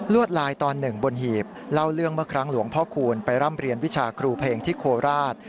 ลายตอนหนึ่งบนหีบเล่าเรื่องเมื่อครั้งหลวงพ่อคูณไปร่ำเรียนวิชาครูเพลงที่โคราช